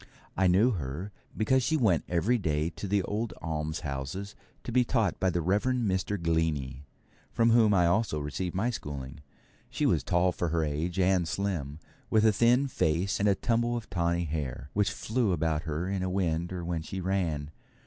I knew her, because she went every day to the old almshouses to be taught by the Reverend Mr. Glennie, from whom I also received my schooling. She was tall for her age, and slim, with a thin face and a tumble of tawny hair, which flew about her in a wind or when she ran.